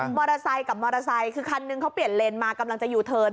มอเตอร์ไซค์กับมอเตอร์ไซค์คือคันนึงเขาเปลี่ยนเลนมากำลังจะยูเทิร์น